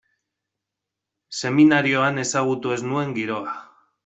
Seminarioan ezagutu ez nuen giroa.